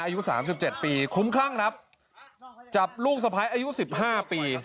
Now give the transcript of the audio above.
อายุ๓๗ปีคุ้มคลั่งครับจับลูกสะพ้ายอายุ๑๕ปี